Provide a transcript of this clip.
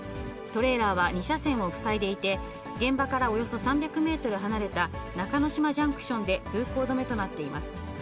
トレーラーは２車線を塞いでいて、現場からおよそ３００メートル離れた中之島ジャンクションで通行止めとなっています。